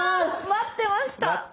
待ってました！